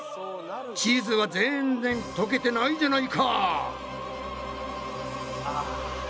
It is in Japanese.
チーズはぜんぜん溶けてないじゃないか！